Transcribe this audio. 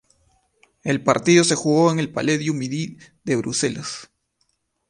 El partido se jugó en el Palais du Midi de Bruselas.